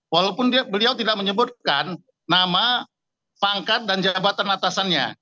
walaupun beliau tidak menyebutkan nama pangkat dan jabatan atasannya